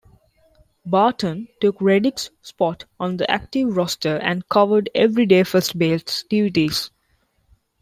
Barton took Reddick's spot on the active roster and covered everyday first base duties.